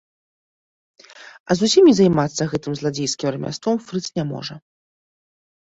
А зусім не займацца гэтым зладзейскім рамяством фрыц не можа.